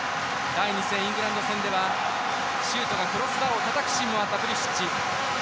第２戦イングランド戦ではシュートがクロスバーをたたくシーンもあったプリシッチ。